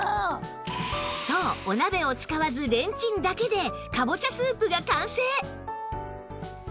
そうお鍋を使わずレンチンだけでかぼちゃスープが完成！